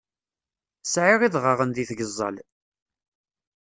Sɛiɣ idɣaɣen deg tgeẓẓal.